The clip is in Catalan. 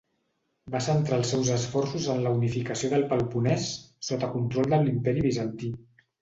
Va centrar els seus esforços en la unificació del Peloponès sota control de l'Imperi Bizantí.